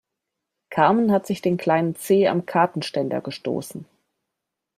Carmen hat sich den kleinen Zeh am Kartenständer gestoßen.